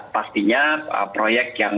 pastinya proyek yang